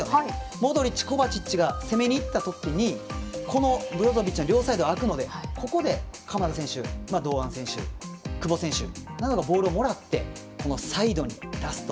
モドリッチ、コバチッチが攻めていったときにこのブロゾビッチの両サイドが空くので、ここで鎌田選手、堂安選手久保選手などがボールをもらってサイドに出すと。